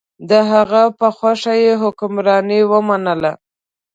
د هغه په خوښه یې حکمراني ومنله.